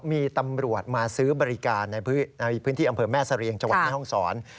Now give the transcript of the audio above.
มีตำรวจมาซื้อบริการในพื้นที่อำเภอแม่เสรียงจังหวัดแม่ห้องศร